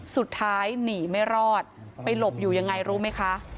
สุดท้ายหนีไม่รอดไปหลบอยู่ยังไงรู้ไหมคะ